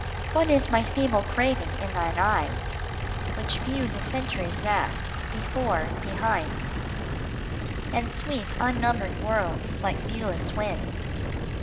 What is my feeble craving in thine eyes Which view the centuries vast, before, behind, And sweep unnumbered worlds like viewless wind